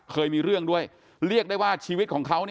เคยมีเรื่องด้วยเรียกได้ว่าชีวิตของเขา